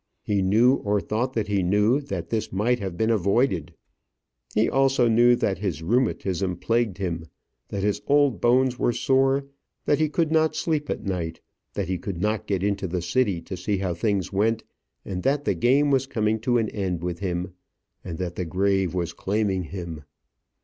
He knew, or thought that he knew, that this might have been avoided. He also knew that his rheumatism plagued him, that his old bones were sore, that he could not sleep at night, that he could not get into the city to see how things went, and that the game was coming to an end with him, and that the grave was claiming him.